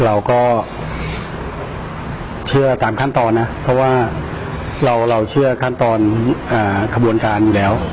เราก็เชื่อตามขั้นตอนนะเพราะว่าเราเชื่อขั้นตอนขบวนการอยู่แล้ว